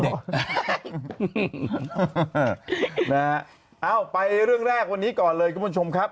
เอ้าไปเรื่องแรกวันนี้ก่อนเลยคุณผู้ชมครับ